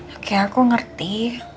oke aku ngerti